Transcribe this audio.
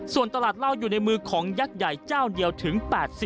ส่วนตลาดเหล้าอยู่ในมือของยักษ์ใหญ่เจ้าเดียวถึง๘๐